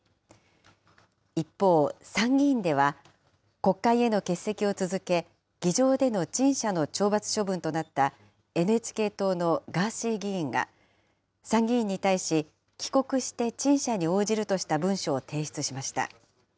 一方、参議院では、国会への欠席を続け、議場での陳謝の懲罰処分となったＮＨＫ党のガーシー議員が、参議院に対し、帰国して陳謝に応じるとした文書を提出しました。